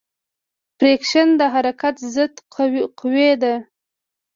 فریکشن د حرکت ضد قوې ده.